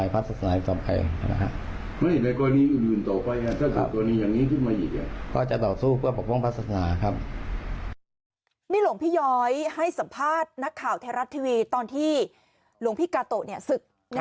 นี่หลวงพี่ย้อยให้สัมภาษณ์นักข่าวไทยรัฐทีวีตอนที่หลวงพี่กาโตะศึก